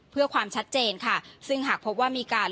เพื่อความชัดเจนค่ะซึ่งหากพบว่ามีการ